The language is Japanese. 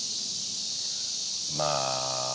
まあ。